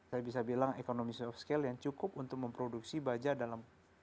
saya bisa bilang economy of scale yang cukup untuk memproduksi baja dalam